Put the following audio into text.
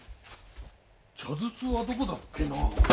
茶筒はどこだっけな。